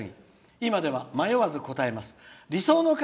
今では迷わず答えます。